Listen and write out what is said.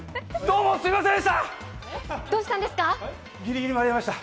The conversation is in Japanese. どうもすみませんでした！